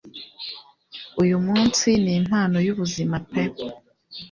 Uyu munsi nimpano yubuzima pe